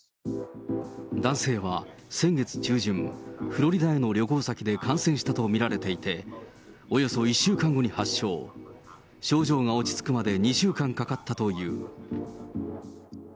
男性は先月中旬、フロリダへの旅行先で感染したと見られていて、およそ１週間後に発症、症状が落ち着くまで２週間かかったという。